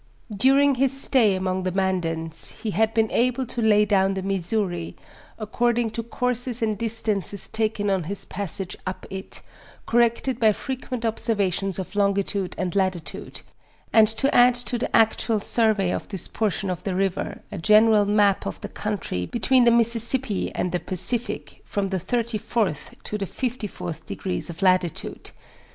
During his stay among tbe Mandans, he had been able to lay down the Missouri, according to courses and distances taken on his passage up it, corrected by fre quent observations of longitude and latitude; and to add to the actual survey of this portion of the river, a general map of the country between the Mississippi and the Pacific, from the thirty fourth to the fifty fourth degrees of latitude.